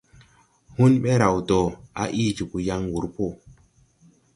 Hun ɓɛ raw do, a ii jobo yaŋ wur p.